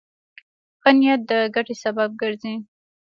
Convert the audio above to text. ښه نیت د ګټې سبب ګرځي.